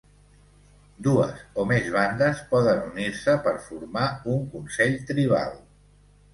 Dues o més bandes poden unir-se per formar un consell tribal.